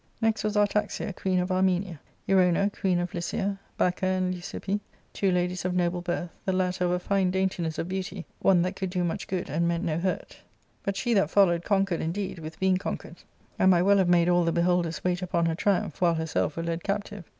Next was Artaxia, queen of Armenia ; Erona, queen of Lycia ; Baccha and Leucippe, two ladies of noble birth, the latter of a fine daintiness of beauty, one that could do much good and meant no hurt But she that followed conquered, indeed, with being con * quered, and might well have made all the beholders wait upon her triumph, while herself were led captive.